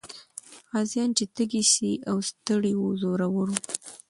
غازيان چې تږي او ستړي وو، زړور وو.